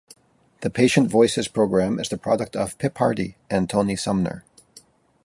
The Patient Voices programme is the product of Pip Hardy and Tony Sumner.